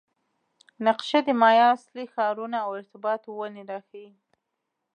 نقشه د مایا اصلي ښارونه او ارتباط ونې راښيي